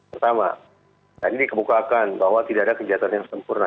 pertama tadi dikemukakan bahwa tidak ada kegiatan yang sempurna